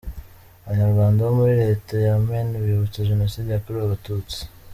Abanyarwanda bo muri Leta ya Maine bibutse Jenoside yakorewe Abatutsi.